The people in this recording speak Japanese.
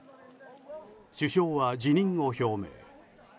首相は辞任を表明。